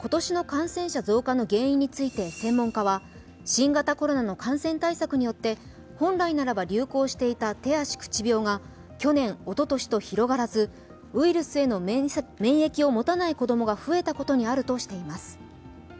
新型コロナの感染対策によって本来ならば流行していた手足口病が去年、おととしと広がらず、ウイルスへの免疫を持たない子どもが増えたことにあるとしています。